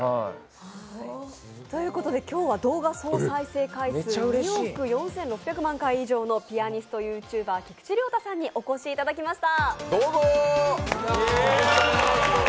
今日は動画総再生回数２億４６００万回以上のピアニストＹｏｕＴｕｂｅｒ菊池亮太さんにお越しいただきました。